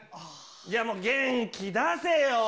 もう元気出せよ。